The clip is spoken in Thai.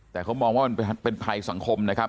แต่เขามองว่ามันเป็นภัยสังคมนะครับ